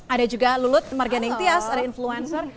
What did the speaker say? ada juga lulut margenetias ada influencer